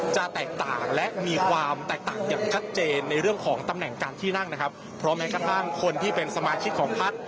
จะแตกต่างและมีความแตกต่างอย่างชัดเจนในเรื่องของตำแหน่งการที่นั่งนะครับเพราะแม้กระทั่งคนที่เป็นสมาชิกของพัก